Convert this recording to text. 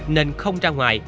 nên không ra ngoài